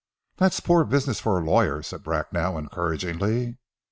"That's poor business for a lawyer," said Bracknell encouragingly.